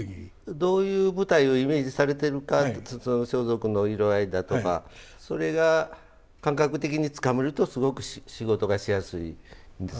どういう舞台をイメージされてるかって装束の色合いだとかそれが感覚的につかめるとすごく仕事がしやすいです